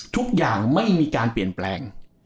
ทุกอย่างไม่มีการเปลี่ยนแปลง